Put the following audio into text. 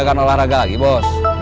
aja kan olahraga lagi bos